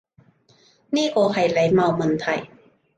呢個係禮貌問題